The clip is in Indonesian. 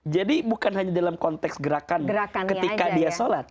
jadi bukan hanya dalam konteks gerakan ketika dia sholat